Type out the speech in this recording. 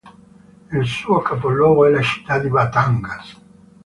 Il suo capoluogo è la città di Batangas.